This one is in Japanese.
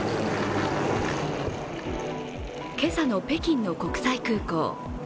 今朝の北京の国際空港。